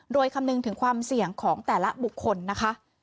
โดยคำนึงถึงความเสี่ยงของแต่ละบุคคลนะคะ